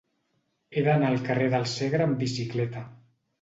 He d'anar al carrer del Segre amb bicicleta.